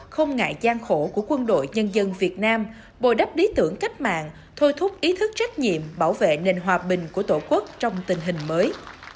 không ngại gian khổ của quân đội nhân dân việt nam bồi đắp lý tưởng cách mạng thôi thúc ý thức trách nhiệm bảo vệ nền hòa bình của tổ quốc trong tình hình mới